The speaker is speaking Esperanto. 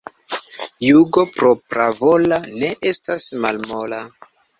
Jugo propravola ne estas malmola.